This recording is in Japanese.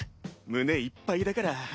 胸いっぱいだから。